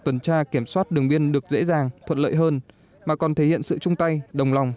tuần tra kiểm soát đường biên được dễ dàng thuận lợi hơn mà còn thể hiện sự chung tay đồng lòng